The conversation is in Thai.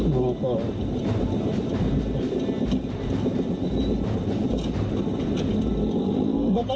ลูกค้า